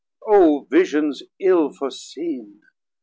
O Visions ill foreseen!